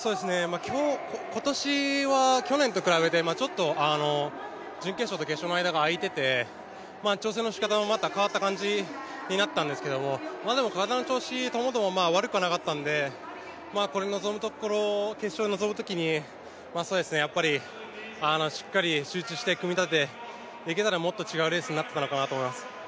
今年は去年と比べて、準決勝と決勝の間が開いていて、調整の仕方もまた変わった感じになったんですけど、でも体の調子ともども悪くはなかったんで、決勝に臨むときにしっかり集中していけたら、もっと違うレースになったのかなと思います。